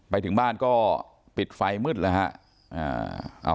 ไปถึงบ้านก็ปิดไฟมืดแล้วฮะ